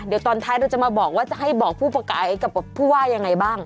เดี๋ยวตอนท้ายเราจะมาบอกว่าจะให้บอกผู้ประกายกับผู้ว่ายังไงบ้าง